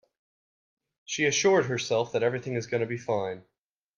She assured herself that everything is gonna be fine.